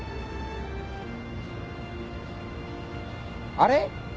あれ？